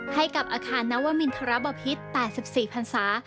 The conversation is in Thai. ให้กับอาคารนวมินทรบพิษ๘๔พันศา